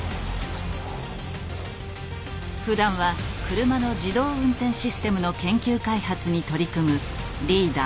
ふだんは車の自動運転システムの研究開発に取り組むリーダー